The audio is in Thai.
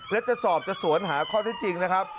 และจะสอบจะสวนหาข้อที่จริงนะครับ